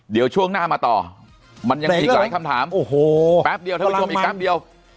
เดี๋ยวช่วงหน้ามาต่อมันยังมีหลายคำถามแป๊บเดียวทุกผู้ชมอีกกัปต์เดียว